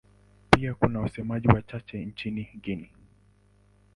Pia kuna wasemaji wachache nchini Guinea.